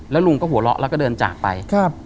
แล้วลุงก็หัวเราะแล้วก็เดินจากไป